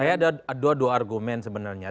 saya ada dua dua argumen sebenarnya